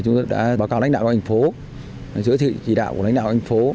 chúng tôi đã báo cáo lãnh đạo của thành phố giới thiệu chỉ đạo của lãnh đạo của thành phố